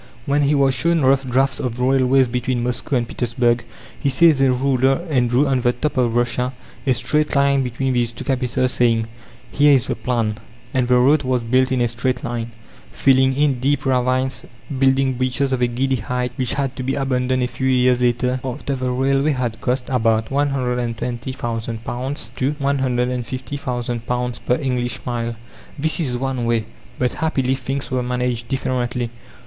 When he was shown rough drafts of railways between Moscow and Petersburg, he seized a ruler and drew on the map of Russia a straight line between these two capitals, saying, "Here is the plan." And the road was built in a straight line, filling in deep ravines, building bridges of a giddy height, which had to be abandoned a few years later, after the railway had cost about £120,000 to £150,000 per English mile. This is one way, but happily things were managed differently.